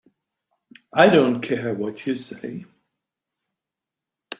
I don't care what you say.